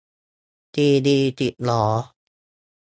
ซีดีติดล้อ !